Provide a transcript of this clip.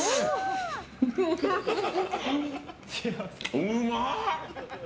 うまっ！